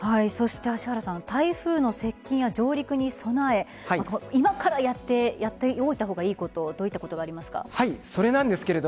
芦原さん台風の接近や上陸に備え今からやっておいた方が良いことどういったことがありますか？